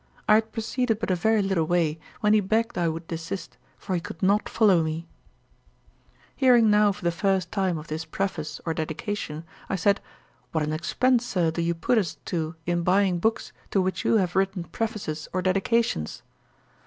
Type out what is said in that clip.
I had proceeded but a very little way, when he begged I would desist, for he could not follow me.' Hearing now for the first time of this Preface or Dedication, I said, 'What an expense, Sir, do you put us to in buying books, to which you have written Prefaces or Dedications.'